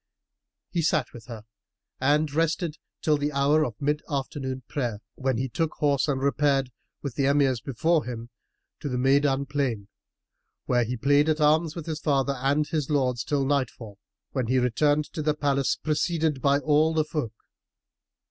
He sat with her and rested till the hour of mid afternoon prayer, when he took horse and repaired, with the Emirs before him, to the Maydan plain, where he played at arms with his father and his lords, till night fall, when he returned to the palace, preceded by all the folk.